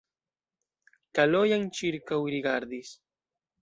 Kalojan ĉirkaŭrigardis.